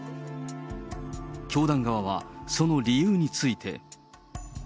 教団側は、その理由について。